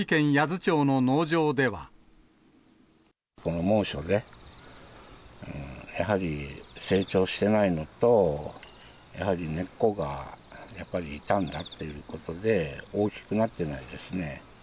この猛暑で、やはり成長してないのと、やはり根っこが、やっぱり傷んだっていうことで、大きくなってないですね。